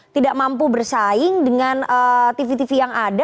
tidak mampu bersaing dengan tv tv yang ada